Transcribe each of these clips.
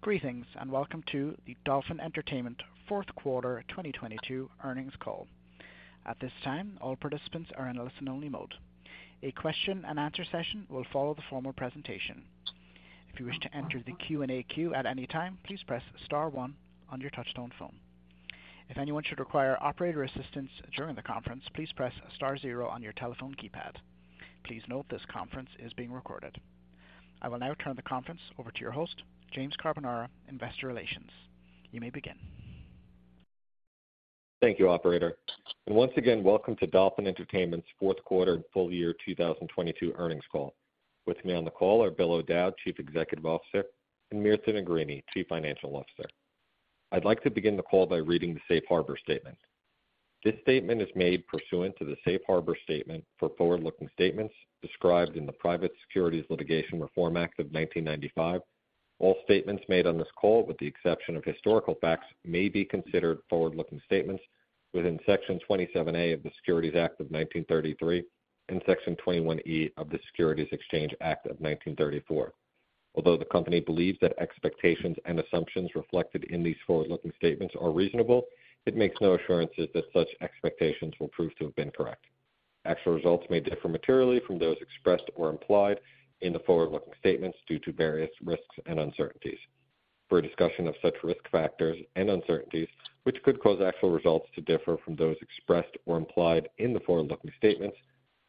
Greetings, welcome to the Dolphin Entertainment fourth quarter 2022 earnings call. At this time, all participants are in a listen-only mode. A question and answer session will follow the formal presentation. If you wish to enter the Q&A queue at any time, please press star one on your touchtone phone. If anyone should require operator assistance during the conference, please press star zero on your telephone keypad. Please note this conference is being recorded. I will now turn the conference over to your host, James Carbonara, Investor Relations. You may begin. Thank you, operator. Once again, welcome to Dolphin Entertainment's fourth quarter full year 2022 earnings call. With me on the call are Bill O'Dowd, Chief Executive Officer, and Mirta Negrini, Chief Financial Officer. I'd like to begin the call by reading the safe harbor statement. This statement is made pursuant to the safe harbor statement for forward-looking statements described in the Private Securities Litigation Reform Act of 1995. All statements made on this call, with the exception of historical facts, may be considered forward-looking statements within Section 27A of the Securities Act of 1933 and Section 21E of the Securities Exchange Act of 1934. Although the company believes that expectations and assumptions reflected in these forward-looking statements are reasonable, it makes no assurances that such expectations will prove to have been correct. Actual results may differ materially from those expressed or implied in the forward-looking statements due to various risks and uncertainties. For a discussion of such risk factors and uncertainties, which could cause actual results to differ from those expressed or implied in the forward-looking statements,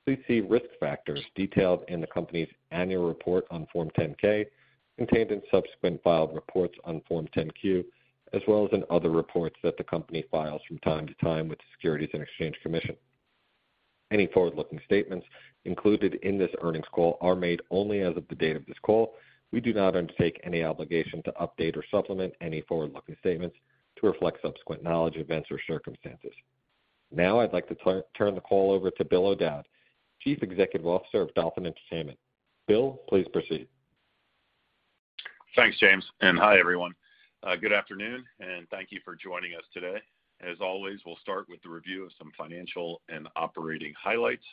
please see risk factors detailed in the company's annual report on Form 10-K, contained in subsequent filed reports on Form 10-Q, as well as in other reports that the company files from time to time with the Securities and Exchange Commission. Any forward-looking statements included in this earnings call are made only as of the date of this call. We do not undertake any obligation to update or supplement any forward-looking statements to reflect subsequent knowledge, events, or circumstances. I'd like to turn the call over to Bill O'Dowd, Chief Executive Officer of Dolphin Entertainment. Bill, please proceed. Thanks, James, and hi, everyone. Good afternoon and thank you for joining us today. As always, we'll start with the review of some financial and operating highlights,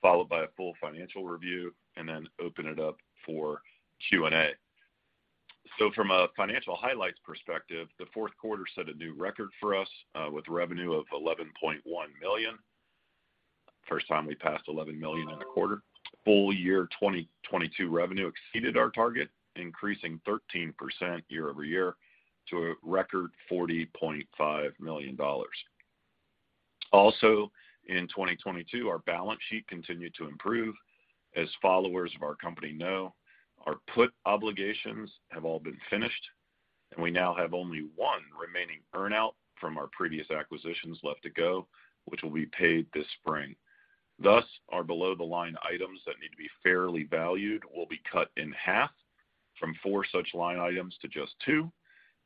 followed by a full financial review and then open it up for Q&A. From a financial highlights perspective, the fourth quarter set a new record for us, with revenue of $11.1 million. First time we passed $11 million in a quarter. Full year 2022 revenue exceeded our target, increasing 13% year-over-year to a record $40.5 million. In 2022, our balance sheet continued to improve. As followers of our company know, our put obligations have all been finished, and we now have only one remaining earn-out from our previous acquisitions left to go, which will be paid this spring. Thus, our below-the-line items that need to be fairly valued will be cut in half from 4 such line items to just 2,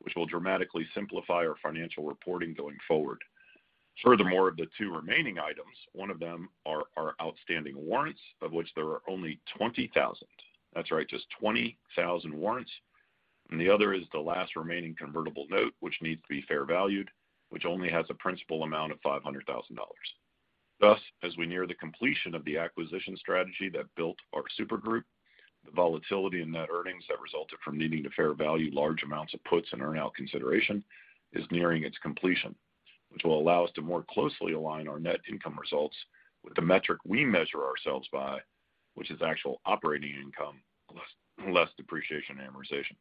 which will dramatically simplify our financial reporting going forward. Furthermore, of the 2 remaining items, one of them are our outstanding warrants, of which there are only 20,000. That's right, just 20,000 warrants. The other is the last remaining convertible note, which needs to be fair valued, which only has a principal amount of $500,000. Thus, as we near the completion of the acquisition strategy that built our supergroup, the volatility in net earnings that resulted from needing to fair value large amounts of puts and earn out consideration is nearing its completion, which will allow us to more closely align our net income results with the metric we measure ourselves by, which is actual operating income less depreciation amortization.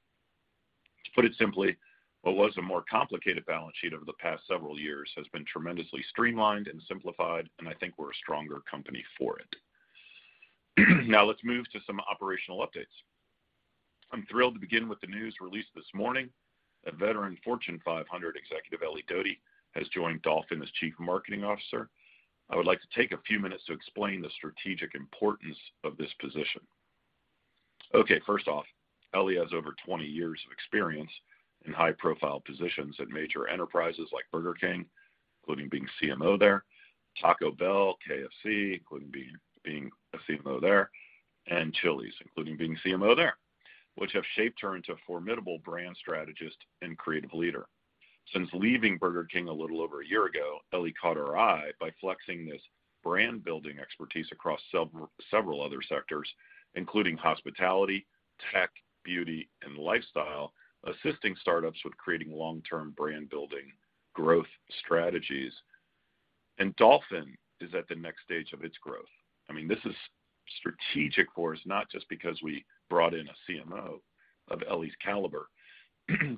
To put it simply, what was a more complicated balance sheet over the past several years has been tremendously streamlined and simplified, and I think we're a stronger company for it. Let's move to some operational updates. I'm thrilled to begin with the news released this morning that veteran Fortune 500 executive Ellie Doty has joined Dolphin as Chief Marketing Officer. I would like to take a few minutes to explain the strategic importance of this position. First off, Ellie has over 20 years of experience in high-profile positions at major enterprises like Burger King, including being CMO there, Taco Bell, KFC, including being a CMO there, and Chili's, including being CMO there, which have shaped her into a formidable brand strategist and creative leader. Since leaving Burger King a little over a year ago, Ellie caught our eye by flexing this brand-building expertise across several other sectors, including hospitality, tech, beauty, and lifestyle, assisting startups with creating long-term brand-building growth strategies. Dolphin is at the next stage of its growth. I mean, this is strategic for us, not just because we brought in a CMO of Ellie's caliber,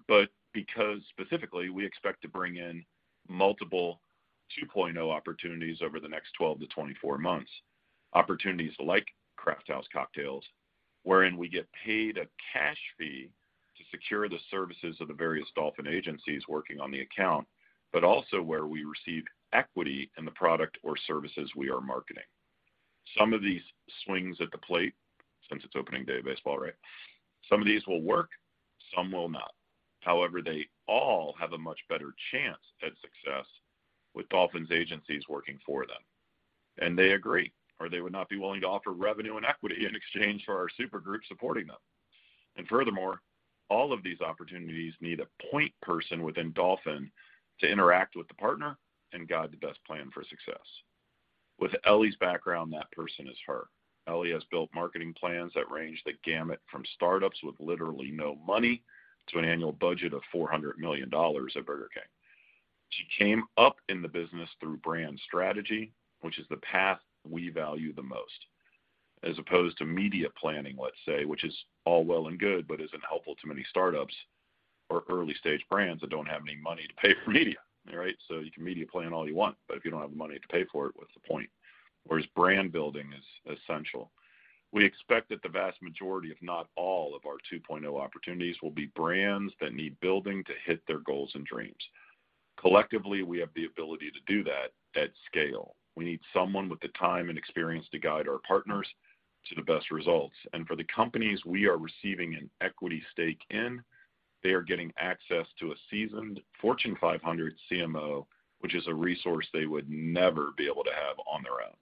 but because specifically, we expect to bring in multiple 2.0 opportunities over the next 12-24 months. Opportunities like Crafthouse Cocktails, wherein we get paid a cash fee to secure the services of the various Dolphin agencies working on the account, but also where we receive equity in the product or services we are marketing. Some of these swings at the plate, since it's opening day baseball, right? Some of these will work, some will not. However, they all have a much better chance at success with Dolphin's agencies working for them. They agree, or they would not be willing to offer revenue and equity in exchange for our supergroup supporting them. Furthermore, all of these opportunities need a point person within Dolphin to interact with the partner and guide the best plan for success. With Ellie's background, that person is her. Ellie has built marketing plans that range the gamut from startups with literally no money to an annual budget of $400 million at Burger King. She came up in the business through brand strategy, which is the path we value the most, as opposed to media planning, let's say, which is all well and good but isn't helpful to many startups or early-stage brands that don't have any money to pay for media, right? You can media plan all you want, but if you don't have the money to pay for it, what's the point? Whereas brand building is essential. We expect that the vast majority, if not all, of our 2.0 opportunities will be brands that need building to hit their goals and dreams. Collectively, we have the ability to do that at scale. We need someone with the time and experience to guide our partners to the best results. For the companies we are receiving an equity stake in, they are getting access to a seasoned Fortune 500 CMO, which is a resource they would never be able to have on their own.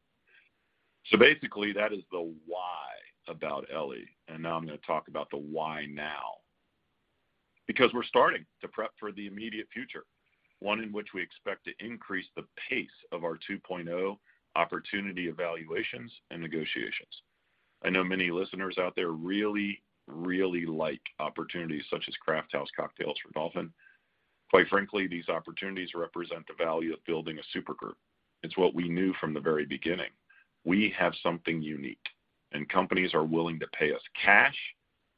Basically that is the why about Ellie, and now I'm gonna talk about the why now. Because we're starting to prep for the immediate future, one in which we expect to increase the pace of our 2.0 opportunity evaluations and negotiations. I know many listeners out there really like opportunities such as Crafthouse Cocktails for Dolphin. Quite frankly, these opportunities represent the value of building a supergroup. It's what we knew from the very beginning. We have something unique, and companies are willing to pay us cash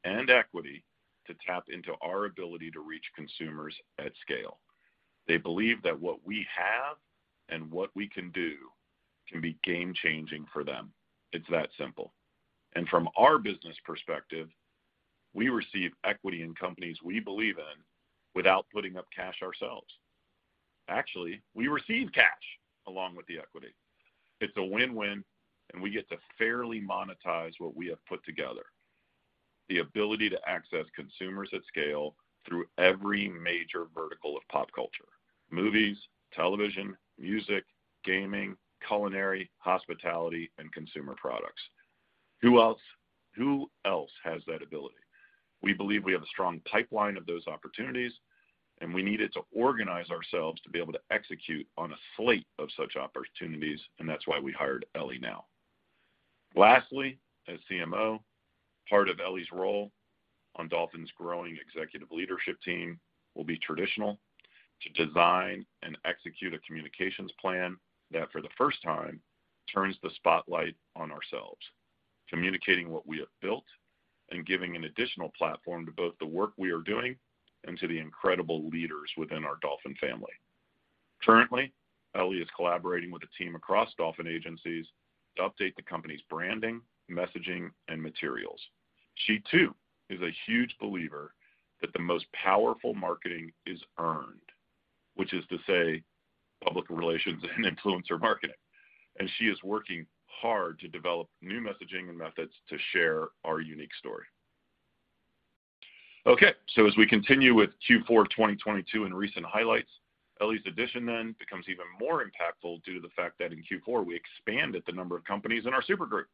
and equity to tap into our ability to reach consumers at scale. They believe that what we have and what we can do can be game-changing for them. It's that simple. From our business perspective, we receive equity in companies we believe in without putting up cash ourselves. Actually, we receive cash along with the equity. It's a win-win, we get to fairly monetize what we have put together, the ability to access consumers at scale through every major vertical of pop culture: movies, television, music, gaming, culinary, hospitality, and consumer products. Who else has that ability? We believe we have a strong pipeline of those opportunities. We needed to organize ourselves to be able to execute on a slate of such opportunities, and that's why we hired Ellie now. Lastly, as CMO, part of Ellie's role on Dolphin's growing executive leadership team will be traditional, to design and execute a communications plan that for the first time turns the spotlight on ourselves, communicating what we have built and giving an additional platform to both the work we are doing and to the incredible leaders within our Dolphin family. Currently, Ellie is collaborating with a team across Dolphin agencies to update the company's branding, messaging, and materials. She too is a huge believer that the most powerful marketing is earned, which is to say public relations and influencer marketing. She is working hard to develop new messaging and methods to share our unique story. As we continue with Q4 of 2022 and recent highlights, Ellie's addition then becomes even more impactful due to the fact that in Q4 we expanded the number of companies in our supergroup.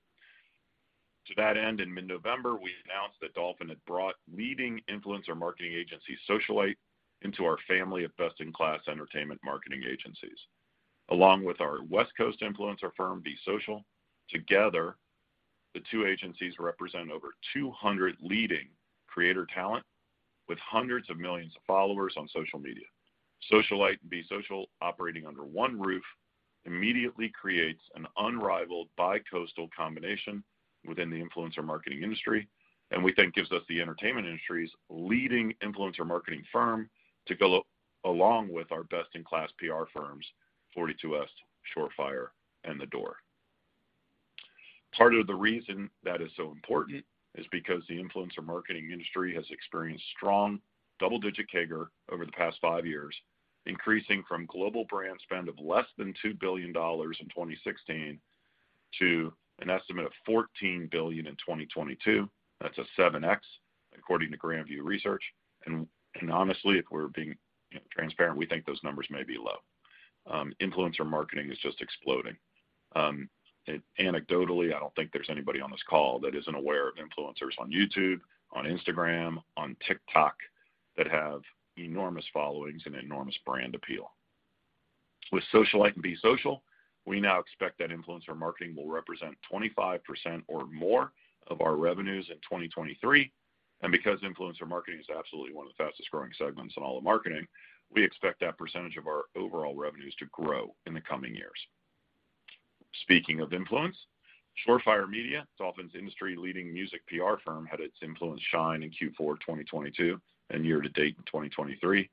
To that end, in mid-November, we announced that Dolphin had brought leading influencer marketing agency Socialyte into our family of best-in-class entertainment marketing agencies. Along with our West Coast influencer firm, Be Social, together the two agencies represent over 200 leading creator talent with hundreds of millions of followers on social media. Socialyte and Be Social operating under one roof immediately creates an unrivaled bicoastal combination within the influencer marketing industry and we think gives us the entertainment industry's leading influencer marketing firm to go along with our best-in-class PR firms, 42West, Shore Fire, and The Door. Part of the reason that is so important is because the influencer marketing industry has experienced strong double-digit CAGR over the past 5 years, increasing from global brand spend of less than $2 billion in 2016 to an estimate of $14 billion in 2022. That's a 7x according to Grand View Research. honestly, if we're being, you know, transparent, we think those numbers may be low. Influencer marketing is just exploding. Anecdotally, I don't think there's anybody on this call that isn't aware of influencers on YouTube, on Instagram, on TikTok, that have enormous followings and enormous brand appeal. With Socialyte and Be Social, we now expect that influencer marketing will represent 25% or more of our revenues in 2023. Because influencer marketing is absolutely one of the fastest-growing segments in all of marketing, we expect that percentage of our overall revenues to grow in the coming years. Speaking of influence, Shore Fire Media, Dolphin's industry-leading music PR firm, had its influence shine in Q4 of 2022 and year to date in 2023.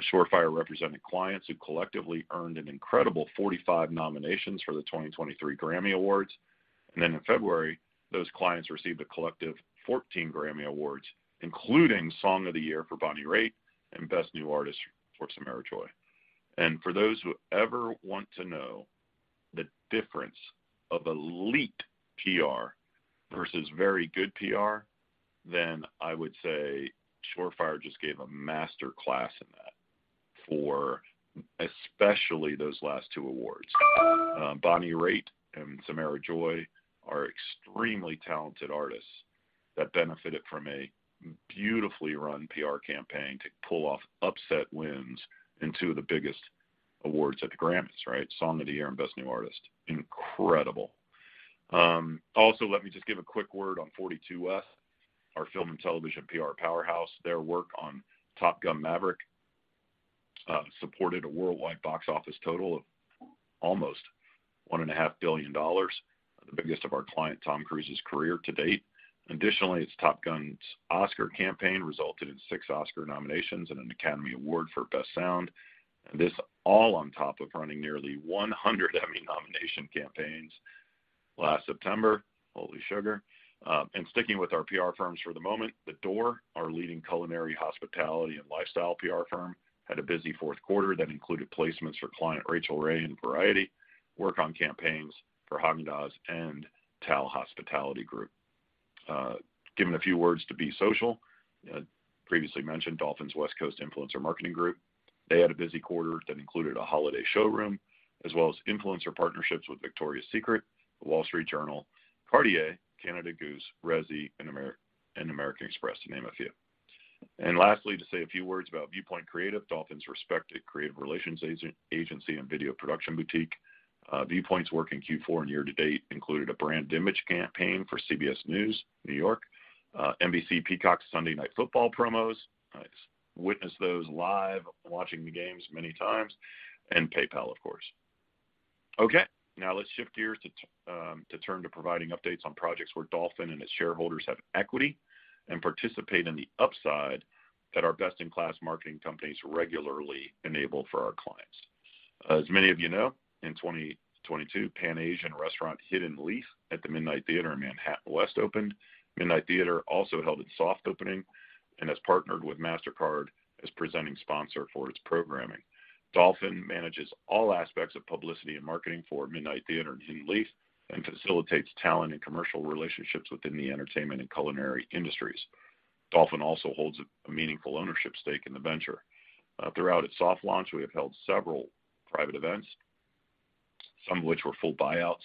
Shore Fire represented clients who collectively earned an incredible 45 nominations for the 2023 Grammy Awards. Then in February, those clients received a collective 14 Grammy Awards, including Song of the Year for Bonnie Raitt and Best New Artist for Samara Joy. For those who ever want to know the difference of elite PR versus very good PR, then I would say Shore Fire just gave a master class in that for especially those last 2 awards. Bonnie Raitt and Samara Joy are extremely talented artists that benefited from a beautifully run PR campaign to pull off upset wins in 2 of the biggest awards at the Grammys, right. Song of the Year and Best New Artist. Incredible. Also, let me just give a quick word on 42West, our film and television PR powerhouse. Their work on Top Gun: Maverick supported a worldwide box office total of almost $1.5 billion, the biggest of our client Tom Cruise's career to date. Additionally, its Top Gun's Oscar campaign resulted in six Oscar nominations and an Academy Award for Best Sound. This all on top of running nearly 100 Emmy nomination campaigns last September. Holy sugar. Sticking with our PR firms for the moment, The Door, our leading culinary, hospitality, and lifestyle PR firm, had a busy fourth quarter that included placements for client Rachael Ray in Variety, work on campaigns for Häagen-Dazs and Tao Group Hospitality. Giving a few words to Be Social, previously mentioned, Dolphin's West Coast influencer marketing group. They had a busy quarter that included a holiday showroom as well as influencer partnerships with Victoria's Secret, The Wall Street Journal, Cartier, Canada Goose, Resy, and American Express, to name a few. Lastly, to say a few words about Viewpoint Creative, Dolphin's respected creative relations agency and video production boutique. Viewpoint's work in Q4 and year to date included a brand image campaign for CBS News, New York, NBC Peacock's Sunday Night Football promos. I witnessed those live, watching the games many times, PayPal, of course. Now let's shift gears to turn to providing updates on projects where Dolphin and its shareholders have equity and participate in the upside that our best-in-class marketing companies regularly enable for our clients. As many of you know, in 2022, Pan-Asian restaurant Hidden Leaf at the Midnight Theatre in Manhattan West opened. Midnight Theatre also held its soft opening and has partnered with Mastercard as presenting sponsor for its programming. Dolphin manages all aspects of publicity and marketing for Midnight Theatre and Hidden Leaf and facilitates talent and commercial relationships within the entertainment and culinary industries. Dolphin also holds a meaningful ownership stake in the venture. Throughout its soft launch, we have held several private events, some of which were full buyouts.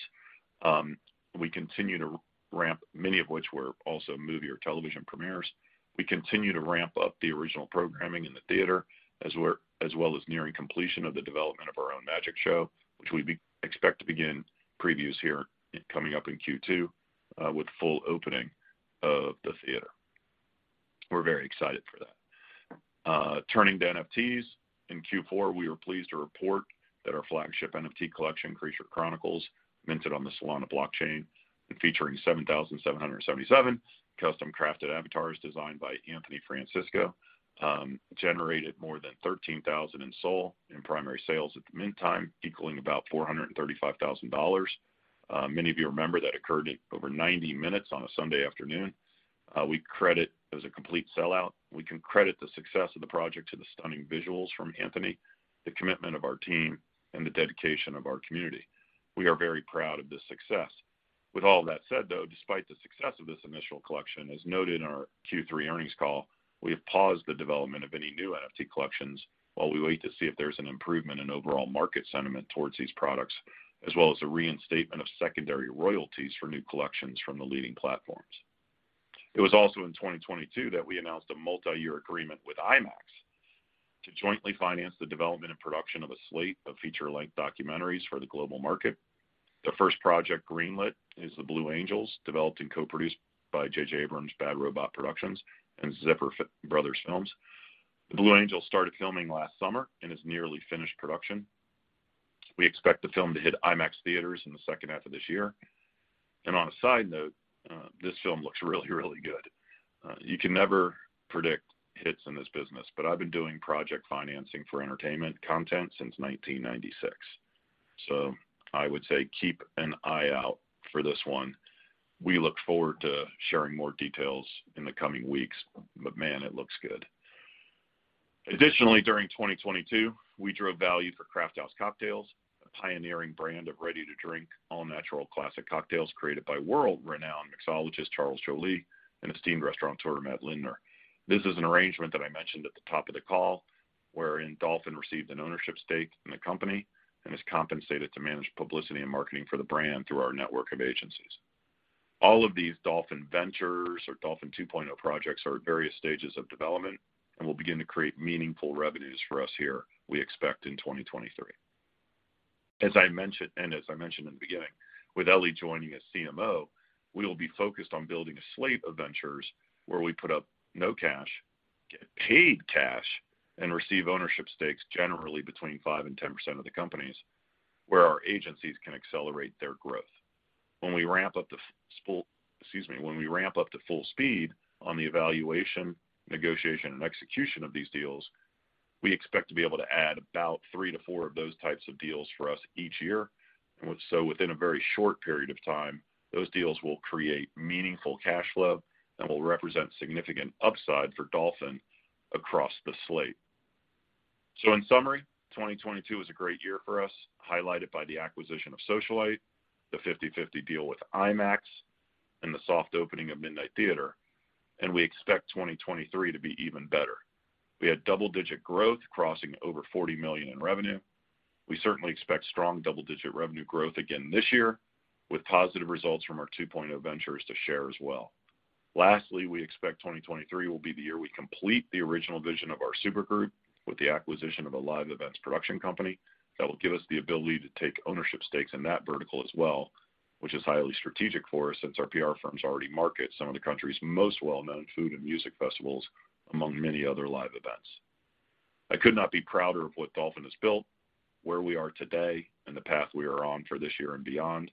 Many of which were also movie or television premieres. We continue to ramp up the original programming in the theater, as well as nearing completion of the development of our own magic show, which we expect to begin previews here coming up in Q2, with full opening of the theater. We're very excited for that. Turning to NFTs. In Q4, we were pleased to report that our flagship NFT collection, Creature Chronicles, minted on the Solana blockchain and featuring 7,777 custom-crafted avatars designed by Anthony Francisco, generated more than 13,000 SOL in primary sales at the mint time, equaling about $435,000. Many of you remember that occurred at over 90 minutes on a Sunday afternoon. It was a complete sellout. We can credit the success of the project to the stunning visuals from Anthony, the commitment of our team, and the dedication of our community. We are very proud of this success. With all of that said, though, despite the success of this initial collection, as noted in our Q3 earnings call, we have paused the development of any new NFT collections while we wait to see if there's an improvement in overall market sentiment towards these products, as well as the reinstatement of secondary royalties for new collections from the leading platforms. It was also in 2022 that we announced a multi-year agreement with IMAX to jointly finance the development and production of a slate of feature-length documentaries for the global market. The first project, Greenlit, is The Blue Angels, developed and co-produced by J.J. Abrams' Bad Robot Productions and Zipper Bros Films. The Blue Angels started filming last summer and is nearly finished production. We expect the film to hit IMAX theaters in the second half of this year. On a side note, this film looks really, really good. You can never predict hits in this business, but I've been doing project financing for entertainment content since 1996, so I would say keep an eye out for this one. We look forward to sharing more details in the coming weeks, but man, it looks good. Additionally, during 2022, we drove value for Crafthouse Cocktails, a pioneering brand of ready-to-drink, all-natural classic cocktails created by world-renowned mixologist Charles Joly and esteemed restaurateur Matt Lindner. This is an arrangement that I mentioned at the top of the call wherein Dolphin received an ownership stake in the company and is compensated to manage publicity and marketing for the brand through our network of agencies. All of these Dolphin ventures or Dolphin 2.0 projects are at various stages of development and will begin to create meaningful revenues for us here, we expect in 2023. As I mentioned in the beginning, with Ellie joining as CMO, we will be focused on building a slate of ventures where we put up no cash, get paid cash, and receive ownership stakes generally between 5% and 10% of the companies, where our agencies can accelerate their growth. When we ramp up to full speed on the evaluation, negotiation, and execution of these deals, we expect to be able to add about 3 to 4 of those types of deals for us each year. Within a very short period of time, those deals will create meaningful cash flow and will represent significant upside for Dolphin across the slate. In summary, 2022 was a great year for us, highlighted by the acquisition of Socialyte, the 50/50 deal with IMAX, and the soft opening of Midnight Theatre, and we expect 2023 to be even better. We had double-digit growth crossing over $40 million in revenue. We certainly expect strong double-digit revenue growth again this year, with positive results from our 2.0 ventures to share as well. Lastly, we expect 2023 will be the year we complete the original vision of our super group with the acquisition of a live events production company that will give us the ability to take ownership stakes in that vertical as well, which is highly strategic for us since our PR firms already market some of the country's most well-known food and music festivals, among many other live events. I could not be prouder of what Dolphin has built, where we are today, and the path we are on for this year and beyond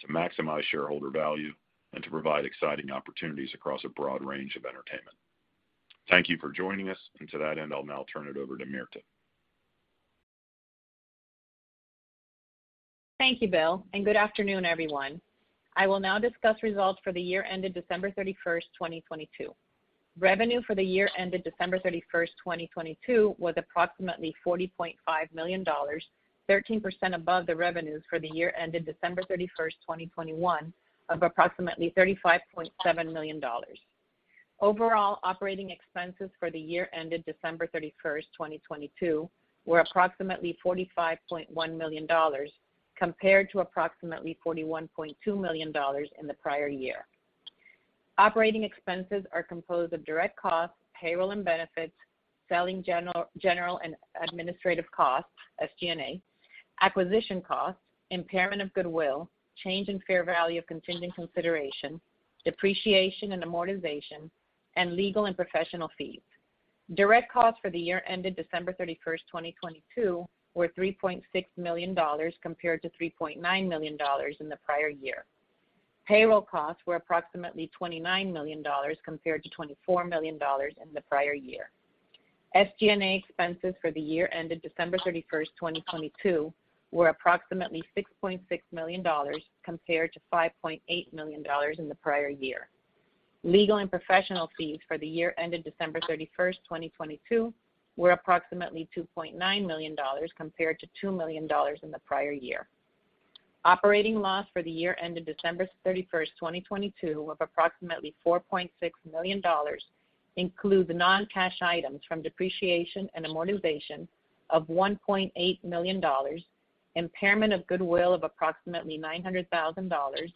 to maximize shareholder value and to provide exciting opportunities across a broad range of entertainment. Thank you for joining us. To that end, I'll now turn it over to Mirta. Thank you, Bill. Good afternoon, everyone. I will now discuss results for the year ended December 31st, 2022. Revenue for the year ended December 31st, 2022 was approximately $40.5 million, 13% above the revenues for the year ended December 31st, 2021 of approximately $35.7 million. Overall operating expenses for the year ended December 31st, 2022 were approximately $45.1 million compared to approximately $41.2 million in the prior year. Operating expenses are composed of direct costs, payroll and benefits, selling general and administrative costs, SG&A, acquisition costs, impairment of goodwill, change in fair value of contingent consideration, depreciation and amortization, and legal and professional fees. Direct costs for the year ended December 31st, 2022 were $3.6 million compared to $3.9 million in the prior year. Payroll costs were approximately $29 million compared to $24 million in the prior year. SG&A expenses for the year ended December 31, 2022 were approximately $6.6 million compared to $5.8 million in the prior year. Legal and professional fees for the year ended December 31, 2022 were approximately $2.9 million compared to $2 million in the prior year. Operating loss for the year ended December 31st, 2022, of approximately $4.6 million include the non-cash items from depreciation and amortization of $1.8 million, impairment of goodwill of approximately $900,000,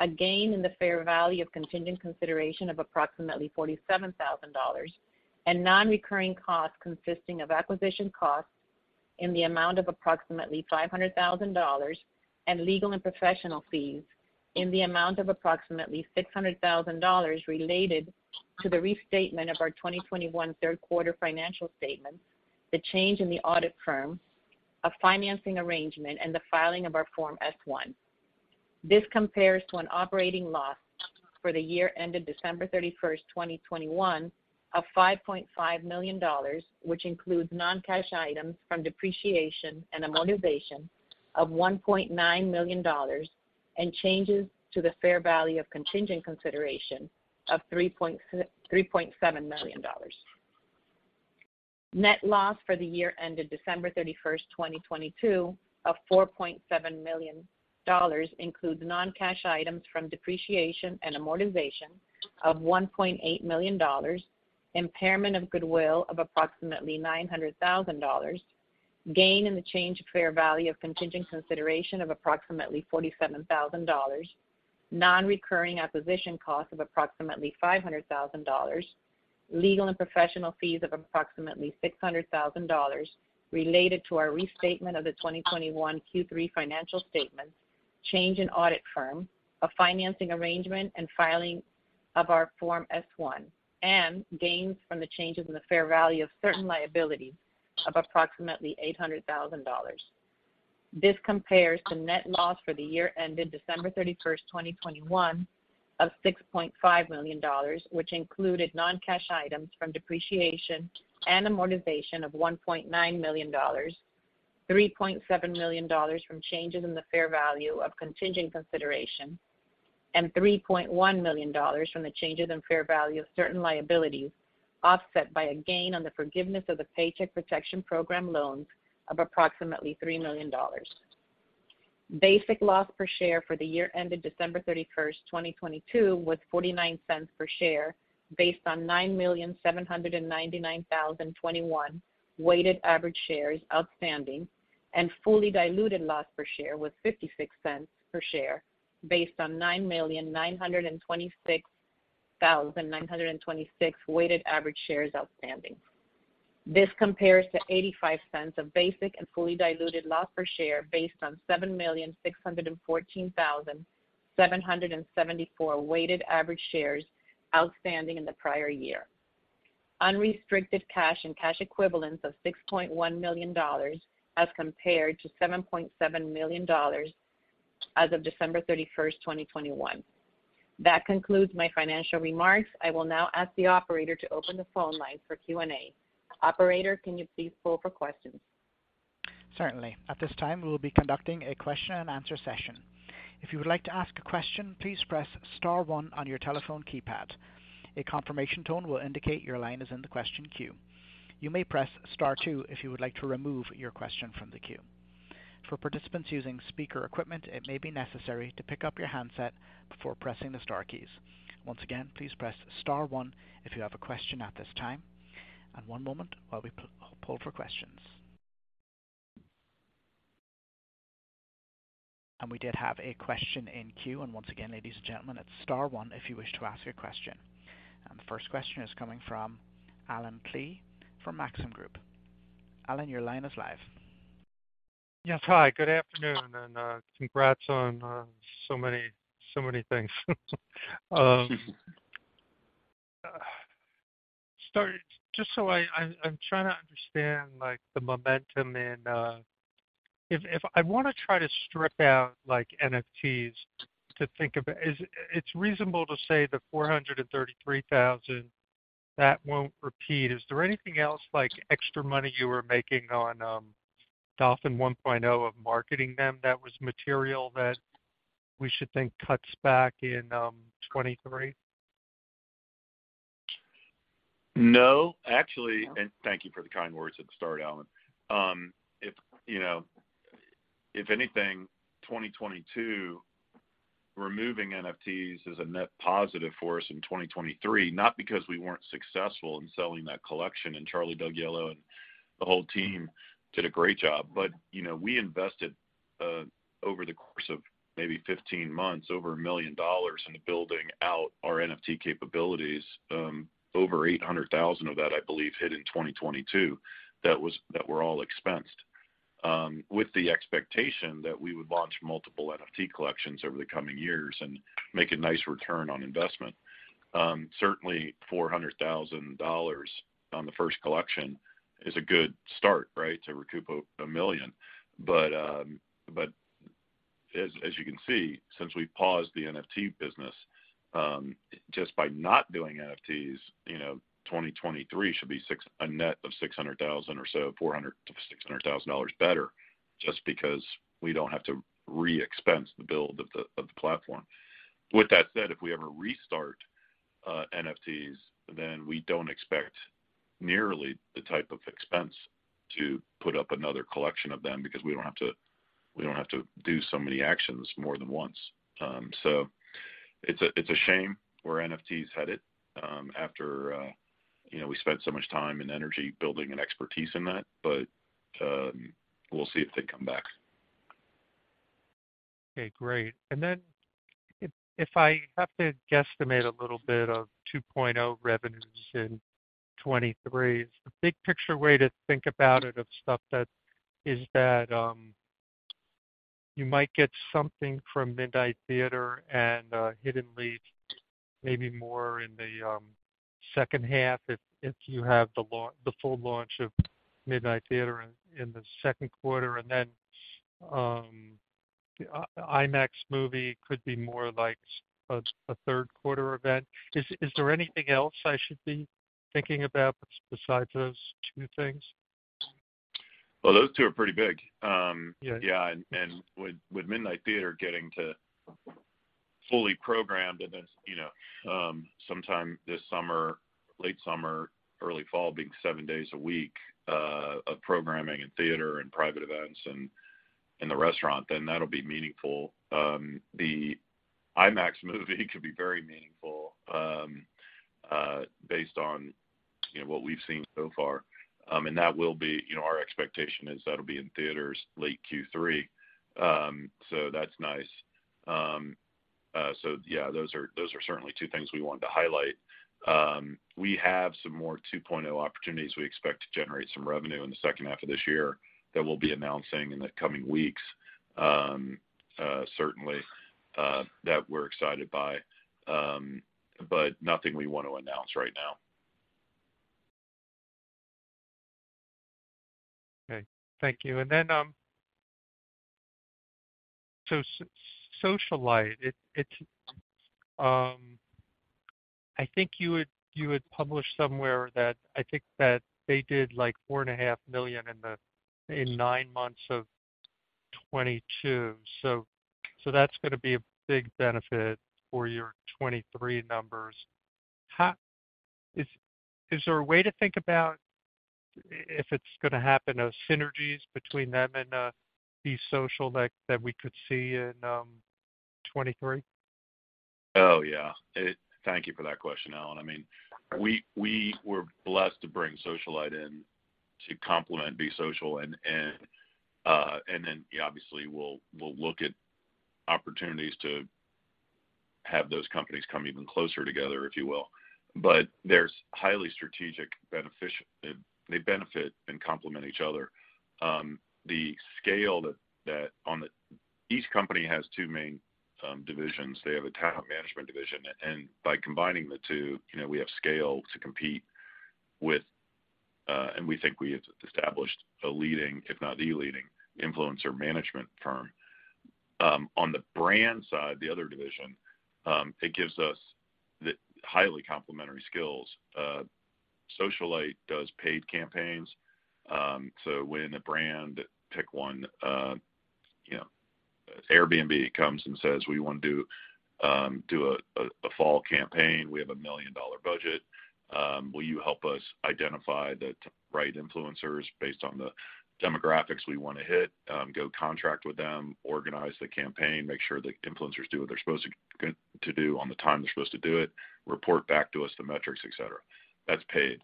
a gain in the fair value of contingent consideration of approximately $47,000 and non-recurring costs consisting of acquisition costs in the amount of approximately $500,000 and legal and professional fees in the amount of approximately $600,000 related to the restatement of our 2021 third quarter financial statements, the change in the audit firm, a financing arrangement, and the filing of our Form S-1. This compares to an operating loss for the year ended December 31st, 2021 of $5.5 million, which includes non-cash items from depreciation and amortization of $1.9 million and changes to the fair value of contingent consideration of $3.7 million. Net loss for the year ended December 31, 2022, of $4.7 million includes non-cash items from depreciation and amortization of $1.8 million, impairment of goodwill of approximately $900,000, gain in the change of fair value of contingent consideration of approximately $47,000, non-recurring acquisition costs of approximately $500,000, legal and professional fees of approximately $600,000 related to our restatement of the 2021 Q3 financial statements, change in audit firm, a financing arrangement, and filing of our Form S-1, and gains from the changes in the fair value of certain liabilities of approximately $800,000. This compares to net loss for the year ended December 31, 2021 of $6.5 million, which included non-cash items from depreciation and amortization of $1.9 million, $3.7 million from changes in the fair value of contingent consideration, and $3.1 million from the changes in fair value of certain liabilities, offset by a gain on the forgiveness of the Paycheck Protection Program loans of approximately $3 million. Basic loss per share for the year ended December 31, 2022 was $0.49 per share based on 9,799,021 weighted average shares outstanding, and fully diluted loss per share was $0.56 per share based on 9,926,926 weighted average shares outstanding. This compares to $0.85 of basic and fully diluted loss per share based on 7,614,774 weighted average shares outstanding in the prior year. Unrestricted cash and cash equivalents of $6.1 million as compared to $7.7 million as of December 31, 2021. That concludes my financial remarks. I will now ask the operator to open the phone line for Q&A. Operator, can you please pull for questions? Certainly. At this time, we will be conducting a question and answer session. If you would like to ask a question, please press star one on your telephone keypad. A confirmation tone will indicate your line is in the question queue. You may press Star two if you would like to remove your question from the queue. For participants using speaker equipment, it may be necessary to pick up your handset before pressing the star keys. Once again, please press star one if you have a question at this time. One moment while we pull for questions. We did have a question in queue. Once again, ladies and gentlemen, it's star one if you wish to ask your question. The first question is coming from Allen Klee from Maxim Group. Alan, your line is live. Yes. Hi, good afternoon, and congrats on so many things. Just so I'm trying to understand, like, the momentum. If I wanna try to strip out, like, NFTs to think about, it's reasonable to say the $433,000, that won't repeat. Is there anything else, like extra money you were making on Dolphin 1.0 of marketing them that was material that we should think cuts back in 2023? No. No? Thank you for the kind words at the start, Alan. If, you know, if anything, 2022, removing NFTs is a net positive for us in 2023. Not because we weren't successful in selling that collection, and Charlie D'Agostino and the whole team did a great job. You know, we invested over the course of maybe 15 months, over $1 million into building out our NFT capabilities. Over $800,000 of that, I believe, hit in 2022 that were all expensed, with the expectation that we would launch multiple NFT collections over the coming years and make a nice return on investment. Certainly $400,000 on the first collection is a good start, right? To recoup $1 million. As you can see, since we paused the NFT business, just by not doing NFTs, you know, 2023 should be a net of $600,000 or so, $400,000-$600,000 better just because we don't have to re-expense the build of the platform. With that said, if we ever restart NFTs, then we don't expect nearly the type of expense to put up another collection of them because we don't have to do so many actions more than once. It's a shame where NFT has headed, after, you know, we spent so much time and energy building an expertise in that. We'll see if they come back. Okay, great. If I have to guesstimate a little bit of 2.0 revenues in 2023, the big picture way to think about it of stuff that is that you might get something from Midnight Theatre and Hidden Leaf maybe more in the second half if you have the full launch of Midnight Theatre in the second quarter. The IMAX movie could be more like a third quarter event. Is there anything else I should be thinking about besides those two things? Those two are pretty big. Yeah. Yeah. With Midnight Theatre getting to fully programmed and then, you know, sometime this summer or late summer, early fall, being seven days a week of programming and theater and private events and the restaurant, then that'll be meaningful. The IMAX movie could be very meaningful, based on, you know, what we've seen so far. You know, our expectation is that'll be in theaters late Q3. That's nice. Yeah, those are certainly two things we wanted to highlight. We have some more 2.0 opportunities we expect to generate some revenue in the second half of this year that we'll be announcing in the coming weeks, certainly, that we're excited by. Nothing we want to announce right now. Okay. Thank you. Socialyte, it's... I think you had published somewhere that I think that they did, like, $4.5 million in nine months of 2022. That's gonna be a big benefit for your 2023 numbers. Is there a way to think about if it's gonna happen, those synergies between them and Be Social that we could see in 2023? Oh, yeah. Thank you for that question, Alan. I mean, we were blessed to bring Socialyte in to complement Be Social and then, yeah, obviously we'll look at opportunities to have those companies come even closer together, if you will. There's highly strategic benefici-- they benefit and complement each other. The scale that on the... Each company has two main divisions. They have a talent management division, and by combining the two, you know, we have scale to compete with, and we think we have established a leading, if not the leading, influencer management firm. On the brand side, the other division, it gives us the highly complementary skills. Socialyte does paid campaigns, when a brand, pick one, you know Airbnb comes and says, "We want to do a fall campaign. We have a $1 million budget. Will you help us identify the right influencers based on the demographics we want to hit, go contract with them, organize the campaign, make sure the influencers do what they're supposed to do on the time they're supposed to do it, report back to us the metrics, et cetera." That's paid.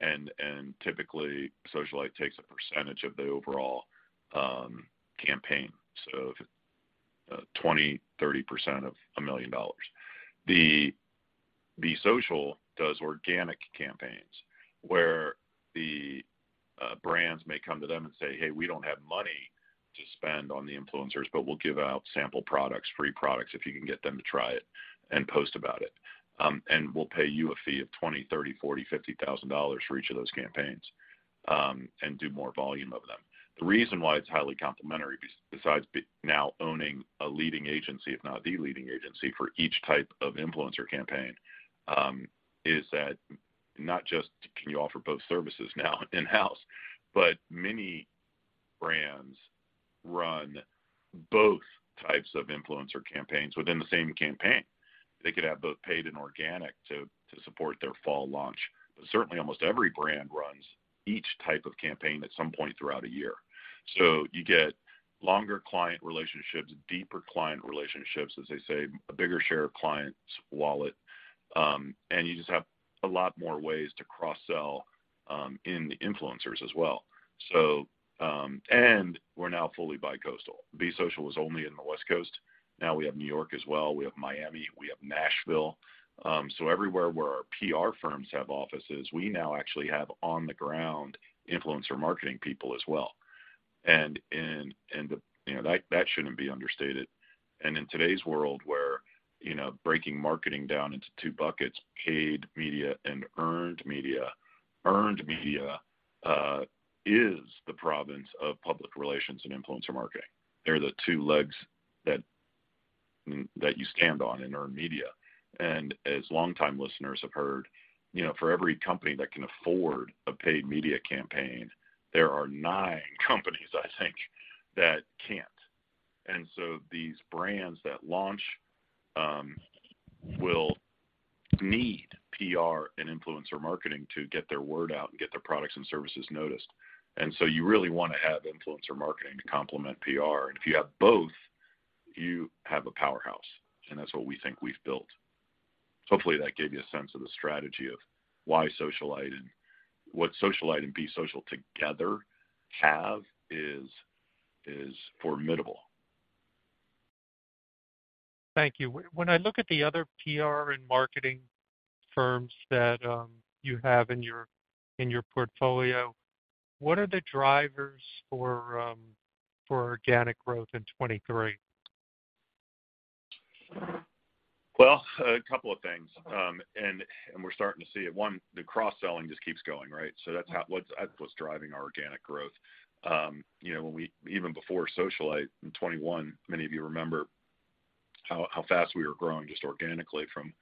And typically, Socialyte takes a percentage of the overall campaign. If it's 20%, 30% of $1 million. Be Social does organic campaigns where the brands may come to them and say, "Hey, we don't have money to spend on the influencers, but we'll give out sample products, free products, if you can get them to try it and post about it. We'll pay you a fee of $20,000, $30,000, $40,000, $50,000 for each of those campaigns and do more volume of them." The reason why it's highly complementary besides now owning a leading agency, if not the leading agency for each type of influencer campaign, is that not just can you offer both services now in-house, but many brands run both types of influencer campaigns within the same campaign. They could have both paid and organic to support their fall launch. Certainly, almost every brand runs each type of campaign at some point throughout a year. You get longer client relationships, deeper client relationships, as they say, a bigger share of client's wallet, and you just have a lot more ways to cross-sell in the influencers as well. We're now fully bi-coastal. B.Social was only in the West Coast. Now we have New York as well, we have Miami, we have Nashville. Everywhere where our PR firms have offices, we now actually have on-the-ground influencer marketing people as well. You know, that shouldn't be understated. In today's world where, you know, breaking marketing down into two buckets, paid media and earned media, is the province of public relations and influencer marketing. They're the two legs that you stand on in earned media. As longtime listeners have heard, you know, for every company that can afford a paid media campaign, there are nine companies, I think, that can't. These brands that launch will need PR and influencer marketing to get their word out and get their products and services noticed. You really want to have influencer marketing to complement PR. If you have both, you have a powerhouse, and that's what we think we've built. Hopefully, that gave you a sense of the strategy of why what Socialyte and Be Social together have is formidable. Thank you. When I look at the other PR and marketing firms that you have in your portfolio, what are the drivers for organic growth in 23? A couple of things, and we're starting to see it. One, the cross-selling just keeps going, right? That's what's driving our organic growth. You know, even before Socialyte in 2021, many of you remember how fast we were growing just organically from,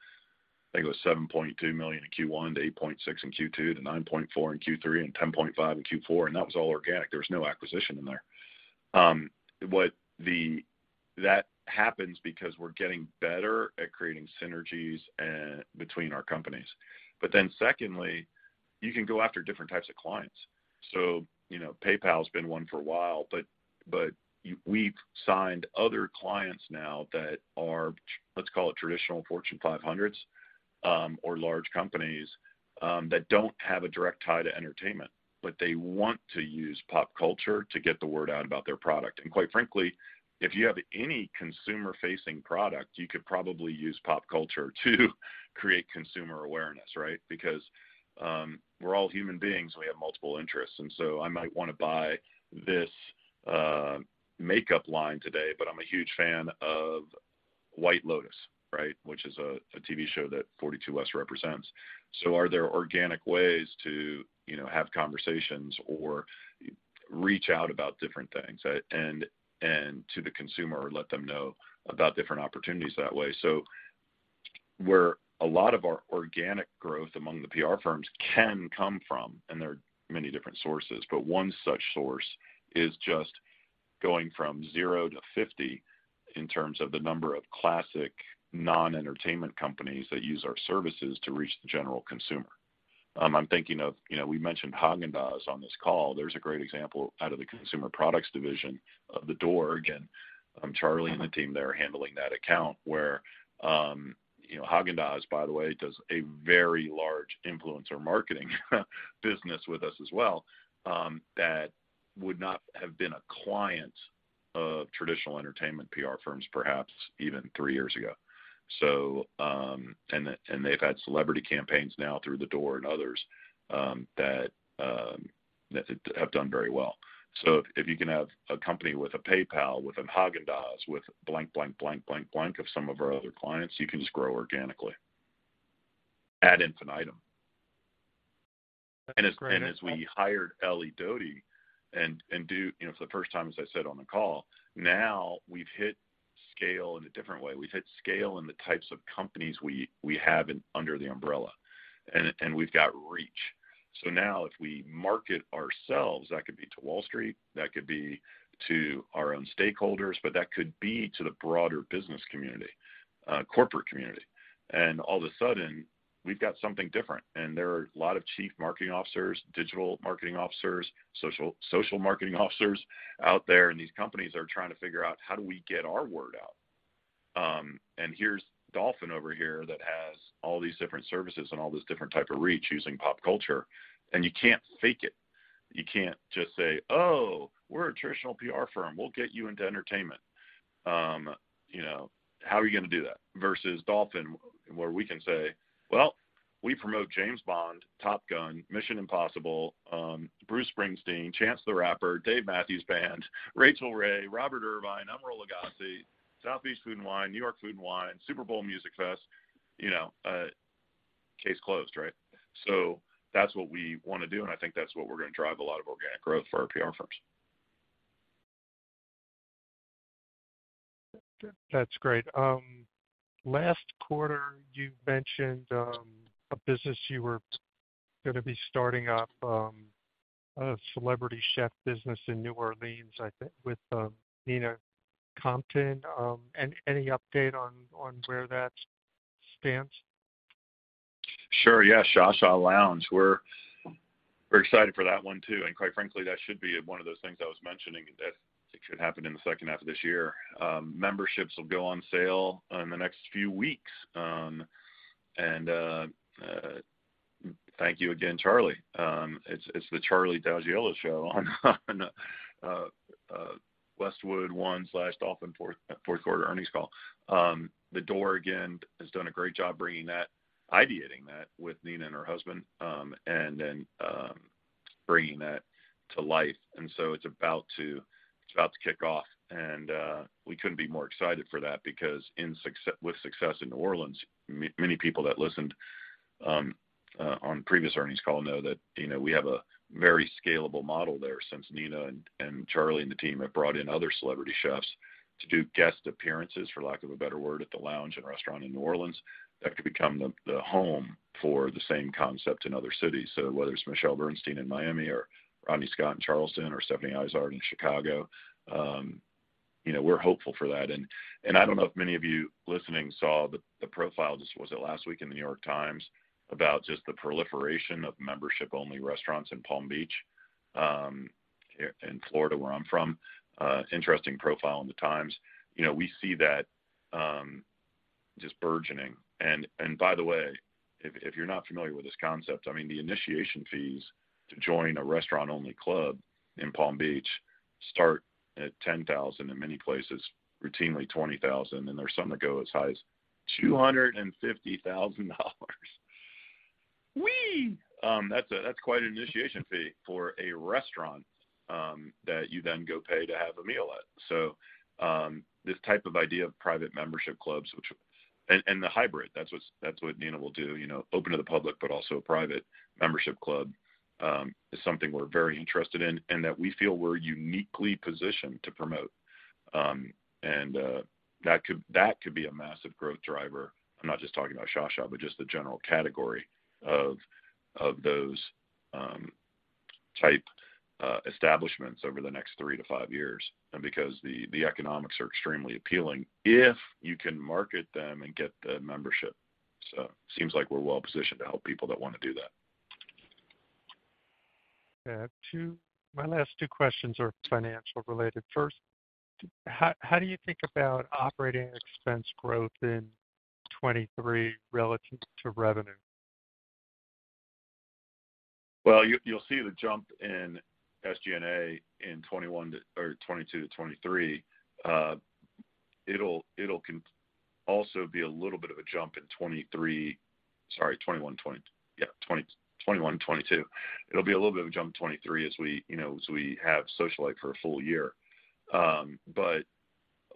I think it was $7.2 million in Q1 to $8.6 million in Q2 to $9.4 million in Q3 and $10.5 million in Q4, and that was all organic. There was no acquisition in there. That happens because we're getting better at creating synergies between our companies. Secondly, you can go after different types of clients. You know, PayPal's been one for a while, we've signed other clients now that are, let's call it traditional Fortune 500s, or large companies, that don't have a direct tie to entertainment, but they want to use pop culture to get the word out about their product. Quite frankly, if you have any consumer-facing product, you could probably use pop culture to create consumer awareness, right? We're all human beings, and we have multiple interests. I might want to buy this makeup line today, but I'm a huge fan of The White Lotus, right, which is a TV show that 42West represents. Are there organic ways to, you know, have conversations or reach out about different things, and to the consumer or let them know about different opportunities that way? Where a lot of our organic growth among the PR firms can come from, and there are many different sources, but one such source is just going from 0 to 50 in terms of the number of classic non-entertainment companies that use our services to reach the general consumer. I'm thinking of, you know, we mentioned Häagen-Dazs on this call. There's a great example out of the consumer products division of The Door, again, Charlie and the team there are handling that account where, you know, Häagen-Dazs, by the way, does a very large influencer marketing business with us as well, that would not have been a client of traditional entertainment PR firms perhaps even 3 years ago. And they've had celebrity campaigns now through The Door and others that have done very well. If you can have a company with a PayPal, with an Häagen-Dazs, with blank, blank, blank of some of our other clients, you can just grow organically. Ad infinitum. That's great. As we hired Ellie Doty, you know, for the first time, as I said on the call, now we've hit scale in a different way. We've hit scale in the types of companies we have under the umbrella, and we've got reach. Now if we market ourselves, that could be to Wall Street, that could be to our own stakeholders, but that could be to the broader business community, corporate community. All of a sudden we've got something different. There are a lot of chief marketing officers, digital marketing officers, social marketing officers out there, and these companies are trying to figure out, how do we get our word out? Here's Dolphin over here that has all these different services and all this different type of reach using pop culture. You can't fake it. You can't just say, "Oh, we're a traditional PR firm. We'll get you into entertainment." you know, how are you gonna do that? Versus Dolphin, where we can say, "Well, we promote James Bond, Top Gun, Mission: Impossible, Bruce Springsteen, Chance the Rapper, Dave Matthews Band, Rachael Ray, Robert Irvine, Emeril Lagasse, South Beach Wine & Food Festival, New York City Wine & Food Festival, Super Bowl Music Fest," you know, case closed, right? That's what we wanna do, and I think that's what we're gonna drive a lot of organic growth for our PR firms. That's great. Last quarter you mentioned a business you were gonna be starting up a celebrity chef business in New Orleans, I think with Nina Compton. Any update on where that stands? Sure, yeah. ShaSha Lounge. We're excited for that one too, and quite frankly, that should be one of those things I was mentioning that it should happen in the second half of this year. Memberships will go on sale in the next few weeks. Thank you again, Charlie. It's the Charlie D'Agostino show on Westwood One/Dolphin fourth quarter earnings call. The Door, again, has done a great job ideating that with Nina and her husband, and then bringing that to life. It's about to kick off, and we couldn't be more excited for that because with success in New Orleans, many people that listened on previous earnings call know that, you know, we have a very scalable model there. Since Nina and Charlie and the team have brought in other celebrity chefs to do guest appearances, for lack of a better word, at the lounge and restaurant in New Orleans, that could become the home for the same concept in other cities. Whether it's Michelle Bernstein in Miami or Rodney Scott in Charleston or Stephanie Izard in Chicago, you know, we're hopeful for that. I don't know if many of you listening saw the profile, this was it last week in The New York Times, about just the proliferation of membership-only restaurants in Palm Beach, in Florida, where I'm from. Interesting profile in The Times. You know, we see that just burgeoning. By the way, if you're not familiar with this concept, I mean, the initiation fees to join a restaurant-only club in Palm Beach start at $10,000 in many places, routinely $20,000, and there are some that go as high as $250,000. Whee! That's quite an initiation fee for a restaurant that you then go pay to have a meal at. This type of idea of private membership clubs, which. The hybrid, that's what Nina will do, you know, open to the public, but also a private membership club, is something we're very interested in and that we feel we're uniquely positioned to promote. That could be a massive growth driver. I'm not just talking about ShaSha, but just the general category of those type establishments over the next 3 to 5 years. Because the economics are extremely appealing if you can market them and get the membership. Seems like we're well positioned to help people that wanna do that. My last 2 questions are financial related. First, how do you think about operating expense growth in 2023 relative to revenue? You'll see the jump in SG&A in 2021 or 2022 to 2023. It'll also be a little bit of a jump in 2023. Sorry, 2021, 2022. Yeah, 2021 and 2022. It'll be a little bit of a jump in 2023 as we, you know, as we have Socialyte for a full year.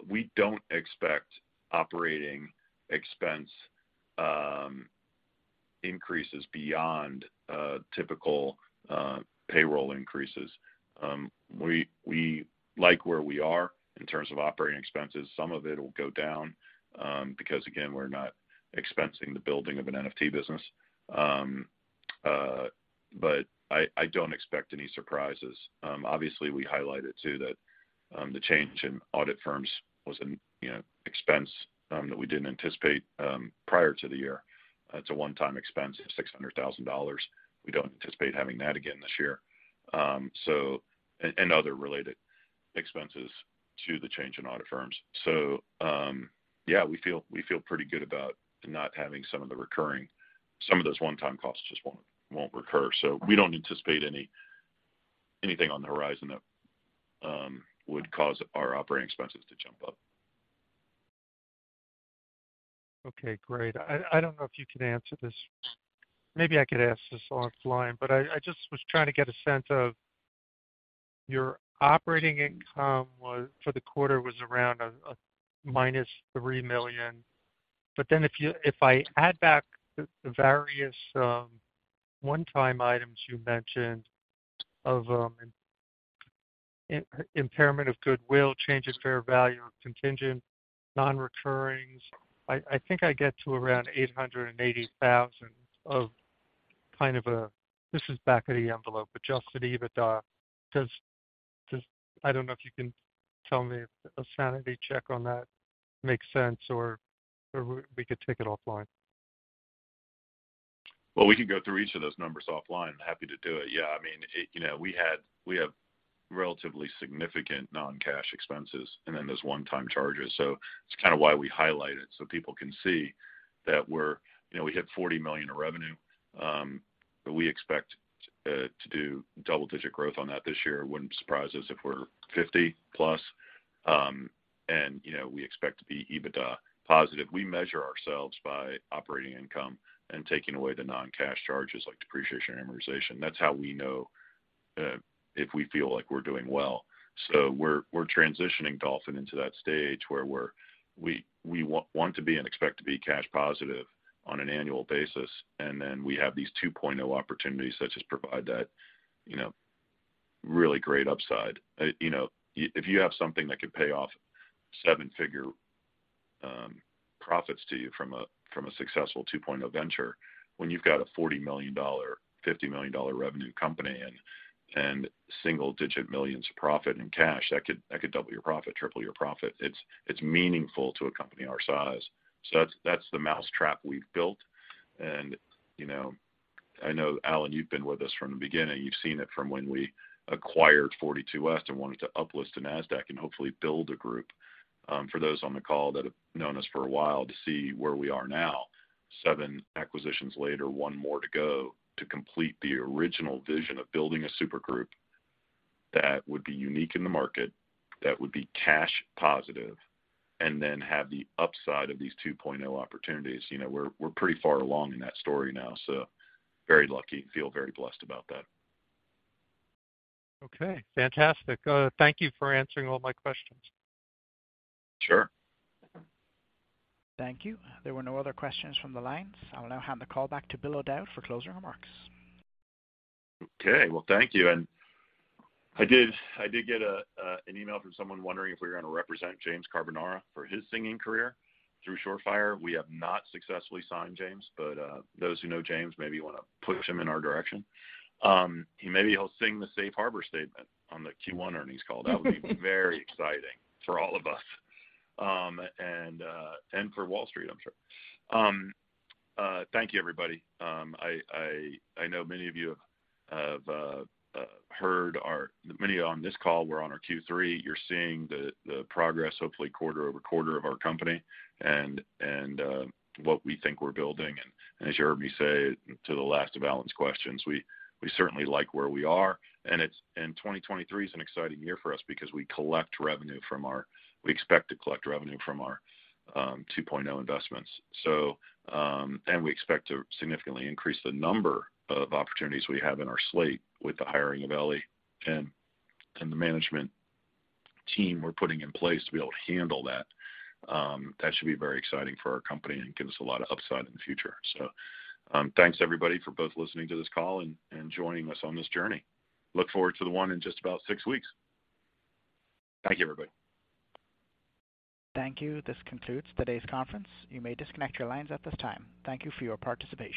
We don't expect operating expense increases beyond typical payroll increases. We like where we are in terms of operating expenses. Some of it will go down because again, we're not expensing the building of an NFT business. I don't expect any surprises. Obviously we highlighted too that the change in audit firms was an expense that we didn't anticipate prior to the year. It's a one-time expense of $600,000. We don't anticipate having that again this year. Other related expenses to the change in audit firms. Yeah, we feel pretty good about not having some of those one-time costs just won't recur. We don't anticipate anything on the horizon that would cause our operating expenses to jump up. Okay, great. I don't know if you can answer this. Maybe I could ask this offline, I just was trying to get a sense of your operating income was for the quarter was around -$3 million. If I add back the various one-time items you mentioned of Impairment of goodwill, change in fair value of contingent non-recurrings. I think I get to around $880,000 of kind of a This is back of the envelope, adjusted EBITDA. I don't know if you can tell me if a sanity check on that makes sense or we could take it offline. We can go through each of those numbers offline. Happy to do it. I mean, you know, we have relatively significant non-cash expenses and then there's one-time charges. It's kinda why we highlight it so people can see that we're. You know, we hit $40 million in revenue, but we expect to do double-digit growth on that this year. Wouldn't surprise us if we're 50-plus. You know, we expect to be EBITDA positive. We measure ourselves by operating income and taking away the non-cash charges like depreciation and amortization. That's how we know if we feel like we're doing well. We're, we're transitioning Dolphin into that stage where we want to be and expect to be cash positive on an annual basis. We have these 2.0 opportunities such as provide that, you know, really great upside. You know, if you have something that could pay off 7-figure profits to you from a successful 2.0 venture, when you've got a $40 million, $50 million revenue company and single-digit millions of profit in cash, that could double your profit, triple your profit. It's meaningful to a company our size. That's the mousetrap we've built. You know, I know, Allen, you've been with us from the beginning. You've seen it from when we acquired 42West and wanted to uplist to Nasdaq and hopefully build a group. For those on the call that have known us for a while to see where we are now, 7 acquisitions later, one more to go to complete the original vision of building a supergroup that would be unique in the market, that would be cash positive, and then have the upside of these 2.0 opportunities. You know, we're pretty far along in that story now, so very lucky and feel very blessed about that. Fantastic. Thank you for answering all my questions. Sure. Thank you. There were no other questions from the lines. I will now hand the call back to Bill O'Dowd for closing remarks. Okay. Well, thank you. I did get an email from someone wondering if we were gonna represent James Carbonara for his singing career through Shore Fire. We have not successfully signed James, those who know James maybe wanna push him in our direction. Maybe he'll sing the safe harbor statement on the Q1 earnings call. That would be very exciting for all of us. And for Wall Street, I'm sure. Thank you, everybody. I know many of you have. Many on this call were on our Q3. You're seeing the progress, hopefully quarter-over-quarter of our company and what we think we're building. As you heard me say to the last of Allen's questions, we certainly like where we are. 2023 is an exciting year for us because we expect to collect revenue from our 2.0 investments. We expect to significantly increase the number of opportunities we have in our slate with the hiring of Ellie and the management team we're putting in place to be able to handle that. That should be very exciting for our company and give us a lot of upside in the future. Thanks everybody for both listening to this call and joining us on this journey. Look forward to the one in just about 6 weeks. Thank you, everybody. Thank you. This concludes today's conference. You may disconnect your lines at this time. Thank you for your participation.